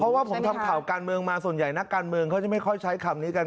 เพราะว่าผมทำข่าวการเมืองมาส่วนใหญ่นักการเมืองเขาจะไม่ค่อยใช้คำนี้กัน